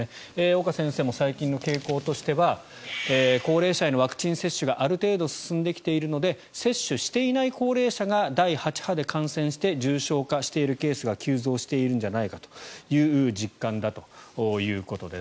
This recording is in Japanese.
岡先生も最近の傾向としては高齢者へのワクチン接種がある程度進んできているので接種していない高齢者が第８波で感染して重症化しているケースが急増しているんじゃないかという実感だということです。